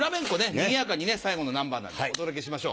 賑やかにね最後のナンバーなんでお届けしましょう。